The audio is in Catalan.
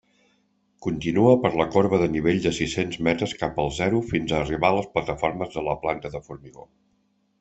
Continua per la corba de nivell de sis-cents metres cap al zero fins a arribar a les plataformes de la planta de formigó.